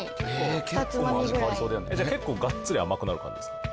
結構がっつり甘くなる感じですか？